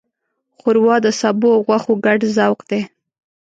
ښوروا د سبو او غوښو ګډ ذوق دی.